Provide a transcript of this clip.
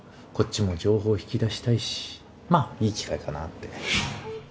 こっちも情報引き出したいしまあいい機会かなって。